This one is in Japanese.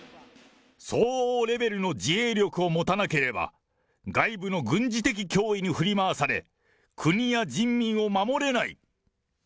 相応レベルの自衛力を持たなければ、外部の軍事的脅威に振り回され、国や人民を守れない。